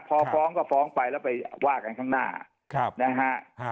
พอฟ้องก็ฟ้องไปแล้วไปว่ากันข้างหน้านะฮะ